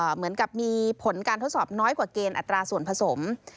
เหมือนกับมีผลการทดสอบน้อยกว่าเกณฑ์อัตราส่วนผสม